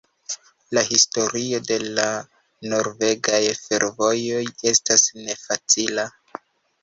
La historio de la norvegaj fervojoj estas ne facila.